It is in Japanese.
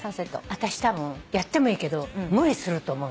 私たぶんやってもいいけど無理すると思う。